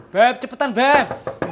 beb cepetan beb